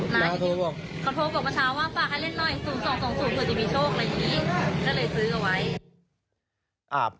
ก็เลยซื้อเอาไว้